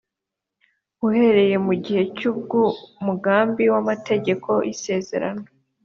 uhereye mu gihe cy’ubw’umugambi w’amategeko y’isezerano